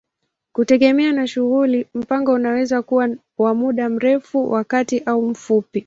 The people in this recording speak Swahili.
Kutegemea na shughuli, mpango unaweza kuwa wa muda mrefu, wa kati au mfupi.